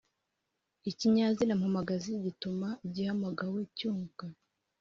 ikinyazina mpamagazi gituma igihamagawe cyumva